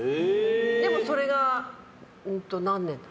でも、それが何年？